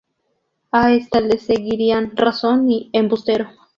A esta le seguirían "Razón" y "¡Embustero!